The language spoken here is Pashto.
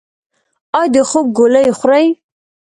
ایا د خوب ګولۍ خورئ؟